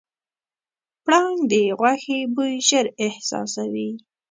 پړانګ د غوښې بوی ژر احساسوي.